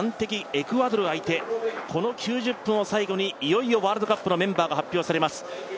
エクアドル相手、この９０分を最後にいよいよワールドカップのメンバーが発表されます。